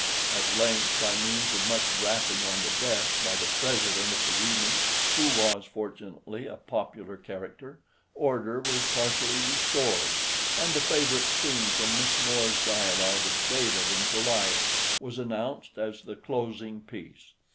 At length, by means of much rapping on the desk by the president of the evening, who was fortunately a "popular" character, order was partially restored; and the favorite scene from Miss More's dialogue of David and Goliath was announced as the closing piece.